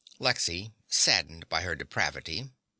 LEXY (saddened by her depravity).